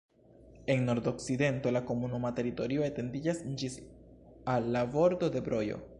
En nordokcidento la komunuma teritorio etendiĝas ĝis al la bordo de Brojo.